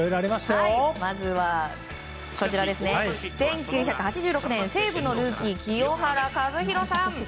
まず、１９８６年西武のルーキー清原和博さん。